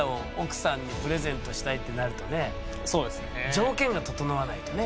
条件が整わないとね。